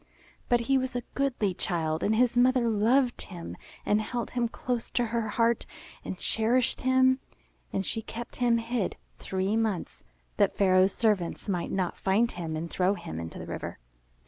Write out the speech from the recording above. But he was a goodly child, and his mother loved him and held him close to her heart and cherished him. And she kept him hid three months that Pharaoh's servants might not find him and throw him into the river.